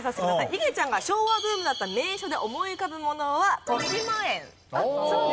いげちゃんが昭和ブームだった名所で思い浮かぶものはとしまえん。